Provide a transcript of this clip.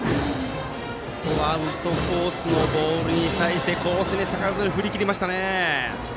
アウトコースのボールに対してコースに逆らわず振り切りました。